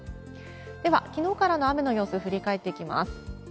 では、きのうからの雨の様子、振り返っていきます。